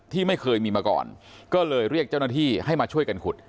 ที่ไม่เคยมีมาก่อนก็เลยเรียกเจ้าหน้าที่ให้มาช่วยกันขุด